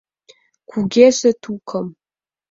Кугезе тукым!